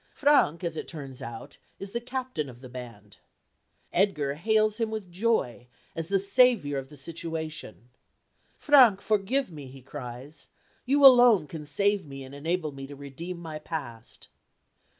Frank, as it turns out, is the captain of the band. Edgar hails him with joy as the saviour of the situation. "Frank, forgive me," he cries. "You alone can save me and enable me to redeem my past."